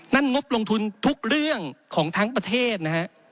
งบลงทุนทุกเรื่องของทั้งประเทศนะฮะ